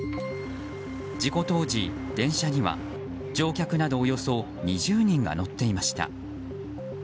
事故当時、電車には乗客などおよそ２０人が乗っていました。